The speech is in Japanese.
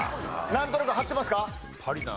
なんとなく張ってますか？